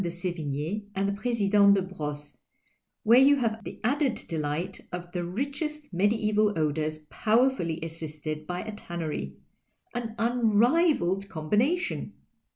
do Sevigne and the President de Brosses, where you have the added delight of the richest medieval odours powerfully assisted by a tannery — an unrivalled combination